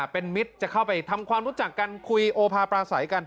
เป็นมิตรจะเข้าไปทำความรู้จักกันคุยโอภาปราศัยกัน